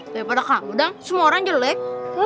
daripada kamu dan semua orang jelek